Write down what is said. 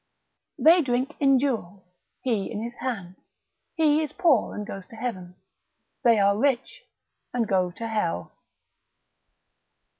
They drink in jewels, he in his hand: he is poor and goes to heaven, they are rich and go to hell.